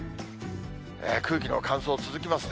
空気の乾燥、続きますね。